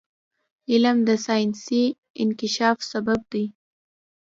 علم د ساینسي انکشاف سبب دی.